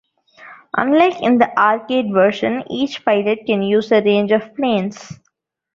Unlike in the arcade version, each pilot can use a range of planes.